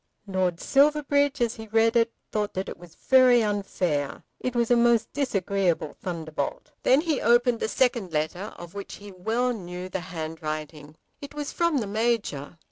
Lord Silverbridge as he read it thought that it was very unfair. It was a most disagreeable thunderbolt. Then he opened the second letter, of which he well knew the handwriting. It was from the Major.